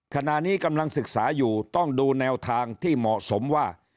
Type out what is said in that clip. ขณะนี้กำลังศึกษาอยู่ต้องดูแนวทางที่เหมาะสมว่า